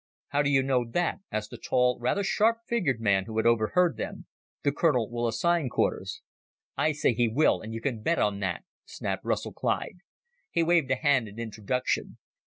"How do you know that?" asked a tall, rather sharp featured man who had overheard them. "The colonel will assign quarters." "I say he will ... and you can bet on that," snapped Russell Clyde. He waved a hand in introduction.